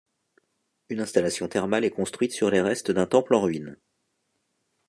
Une installation thermale est construite sur les restes d’un temple en ruines.